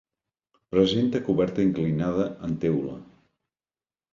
Presenta coberta inclinada en teula.